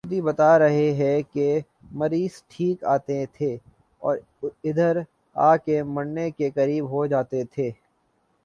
خود ہی بتا رہے ہیں کہ مریض ٹھیک آتے تھے اور ادھر آ کہ مرنے کے قریب ہو جاتے تھے